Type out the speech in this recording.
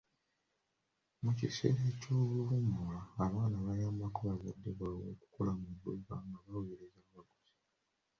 Mu kiseera eky'oluwummula, abaana bayambako bazadde baabwe okukola mu dduuka nga baweereza abaguzi.